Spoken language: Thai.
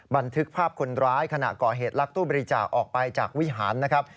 บันทึกภาพคนร้ายขณะก่อเหตุลักตู้บริจาคออกไปจากวิหารนะครับ